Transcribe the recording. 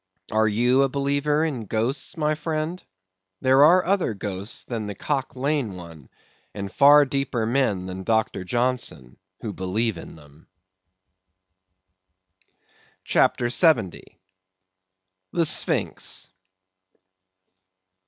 Are you a believer in ghosts, my friend? There are other ghosts than the Cock Lane one, and far deeper men than Doctor Johnson who believe in them. CHAPTER 70. The Sphynx.